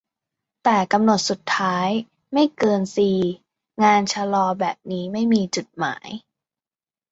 "แต่กำหนดสุดท้าย ไม่เกินซี งานชลอแบบนี้ไม่มีจุดหมาย"